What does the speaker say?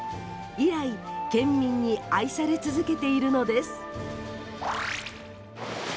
以来、県民に愛され続けているのです。